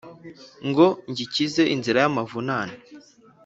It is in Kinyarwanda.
Ngo ngikize inzira y'amavunane